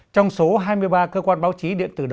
trong số hai mươi ba cơ quan báo chí